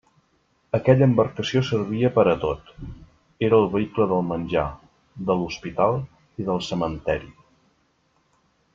Aquella embarcació servia per a tot; era el vehicle del menjar, de l'hospital i del cementeri.